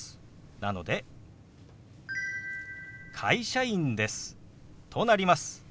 なので「会社員です」となります。